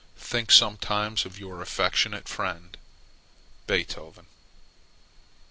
Think sometimes of your affectionate friend, BEETHOVEN. 6.